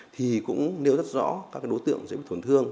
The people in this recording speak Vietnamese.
thì cũng nêu rất rõ các đối tượng dễ bị tổn thương